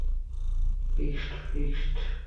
Fixed, fixed.